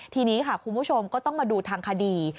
ทีนี้ค่ะคุณผู้ชมก็ต้องมาดูทางคดี